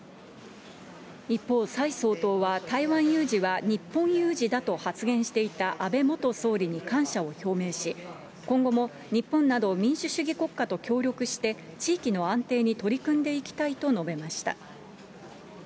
一方、蔡総統は台湾有事は日本有事だと発言していた安倍元総理に感謝を表明し、今後も日本など民主主義国家と協力して、地域の安定に取り組んでいきたいと述べました。